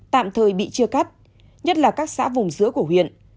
tạm thời bị chia cắt nhất là các xã vùng giữa của huyện